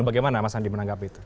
bagaimana mas andi menanggapi itu